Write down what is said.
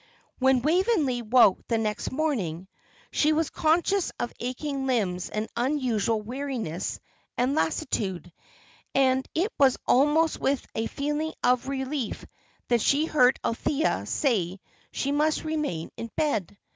When Waveney woke the next morning, she was conscious of aching limbs and unusual weariness and lassitude, and it was almost with a feeling of relief that she heard Althea say she must remain in bed.